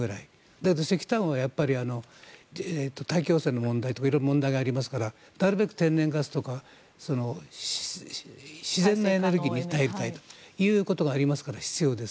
だけど石炭は大気汚染の問題とかいろいろ問題がありますからなるべく天然ガスとか自然のエネルギーに頼りたいというのが必要です。